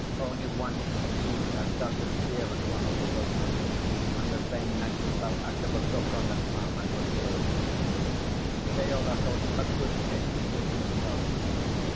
Only once a chief had cast a spear at one of the voices, and the same night he fell out of a cocoanut palm and was killed. Keola thought a good bit with himself.